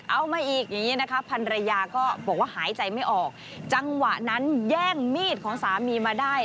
เอามาอีกอย่างนี้นะคะพันรยาก็บอกว่าหายใจไม่ออกจังหวะนั้นแย่งมีดของสามีมาได้